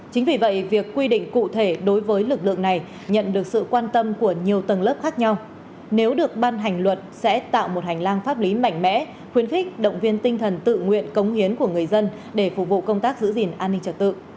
chính vì vậy việc quy định cụ thể đối với lực lượng này nhận được sự quan tâm của nhiều tầng lớp khác nhau nếu được ban hành luật sẽ tạo một hành lang pháp lý mạnh mẽ khuyến khích động viên tinh thần tự nguyện cống hiến của người dân để phục vụ công tác giữ gìn an ninh trật tự